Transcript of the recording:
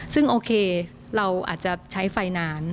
ซึ่งโอเคเราอาจจะใช้ไฟนาน